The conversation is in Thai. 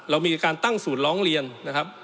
เรามีการตั้งศูนย์ร้องเรียนนะครับ